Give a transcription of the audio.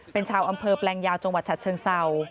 เป็นชาวอำเภอแปลงยาวจังหวัดฉัดเชิงเศร้า